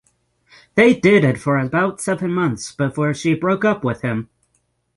They dated for about seven months before she broke up with him.